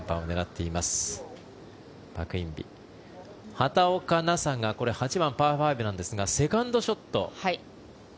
畑岡奈紗が８番、パー５なんですがここはセカンドショット。